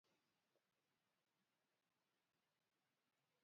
Onge nyasaye moro.